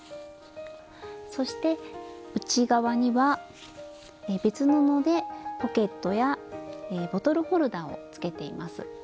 そして内側には別布でポケットやボトルホルダーをつけています。